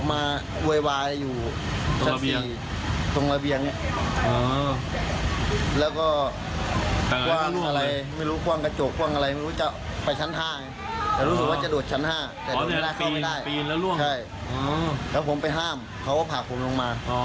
อันนี้นี่ล่ะ